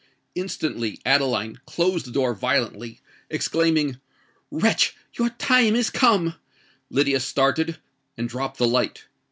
Instantly Adeline closed the door violently—exclaiming, "WRETCH, your time is come!" Lydia started—and dropped the light.